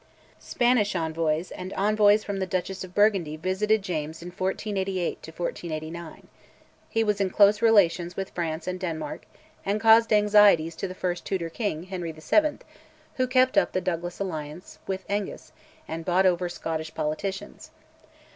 Spanish envoys and envoys from the Duchess of Burgundy visited James in 1488 1489; he was in close relations with France and Denmark, and caused anxieties to the first Tudor king, Henry VII., who kept up the Douglas alliance with Angus, and bought over Scottish politicians.